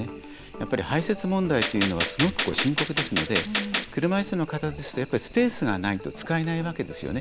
やっぱりは移設問題というのは深刻ですので車いすの方はやっぱりスペースがないと使えないわけですよね。